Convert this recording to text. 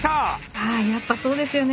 ああやっぱそうですよね。